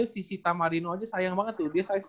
si sita marino aja sayang banget tuh dia size